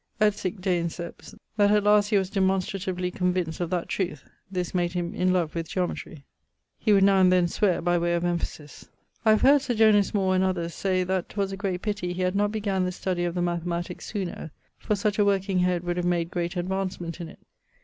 Et sic deinceps, that at last he was demonstratively convinced of that trueth. This made him in love with geometry. [CIII.] He would now and then sweare, by way of emphasis. I have heard Sir Jonas Moore (and others[FR]) say that 'twas a great pity he had not began the study of the mathematics sooner, for such a working head would have made great advancement in it.